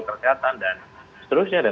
kesehatan dan seterusnya